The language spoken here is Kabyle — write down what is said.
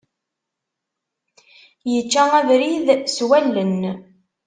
Yečča abrid s wallen.